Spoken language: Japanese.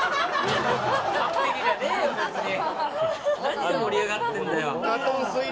何を盛り上がってるんだよ！